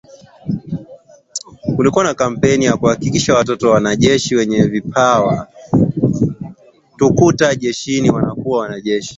Kulikuwa na kampeni ya kuhakikisha Watoto wa wanajeshi wenye vipawa tukuka jeshini wanakuwa wanajeshi